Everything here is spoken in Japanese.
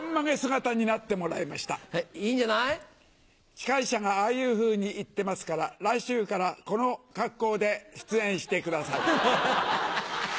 司会者がああいうふうに言ってますから来週からこの格好で出演してください。